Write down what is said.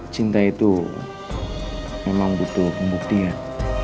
cinta itu memang butuh pembuktian